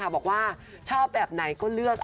บอกว่าชอบแบบไหนก็เลือก